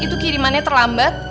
itu kirimannya terlambat